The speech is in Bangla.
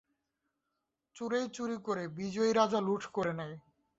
চোরই চুরি করে, বিজয়ী রাজা লুঠ করে নেয়।